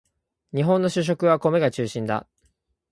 日本の主食は米が中心だ